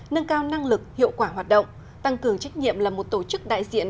nâng cao năng lực hiệu quả hoạt động tăng cường trách nhiệm là một tổ chức đại diện